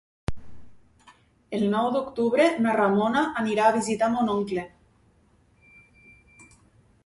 El nou d'octubre na Ramona anirà a visitar mon oncle.